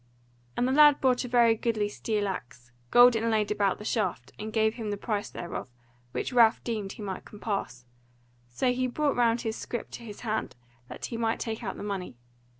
And the lad brought a very goodly steel axe, gold inlaid about the shaft, and gave him the price thereof, which Ralph deemed he might compass; so he brought round his scrip to his hand, that he might take out the money.